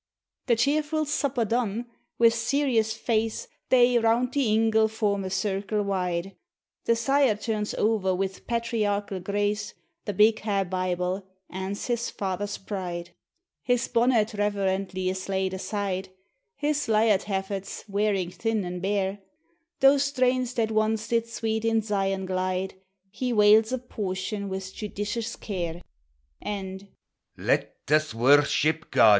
The cheerfu' supper done, wi' serious face, They, round the ingle, form a circle wide; The sire turns o'er, wi' patriarchal grace, The big ha' Bible, ance his father's pride; His bonnet reverently is laid aside, His lyart haffets || wearing thin an' bare: Those strains that once did sweet in Zion glide, He wales a portion with judicious care; And " Let us worship God!